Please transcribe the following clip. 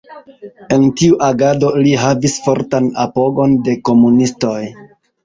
En tiu agado li havis fortan apogon de komunistoj.